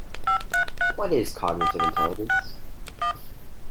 What is cognitive intelligence?